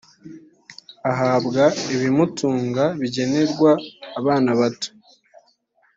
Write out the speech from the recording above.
ahabwa ibimutunga bigenerwa abana bato